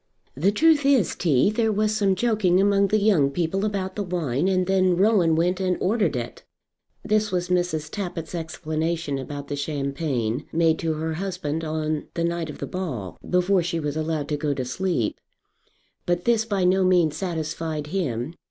"The truth is, T., there was some joking among the young people about the wine, and then Rowan went and ordered it." This was Mrs. Tappitt's explanation about the champagne, made to her husband on the night of the ball, before she was allowed to go to sleep. But this by no means satisfied him.